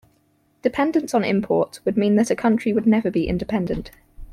Dependence on imports would mean that a country would never be independent.